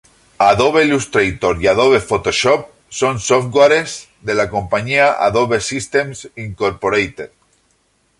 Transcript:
Adobe Illustrator y Adobe Photoshop, son softwares de la compañía Adobe Systems Incorporated.